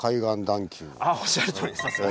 おっしゃるとおりです。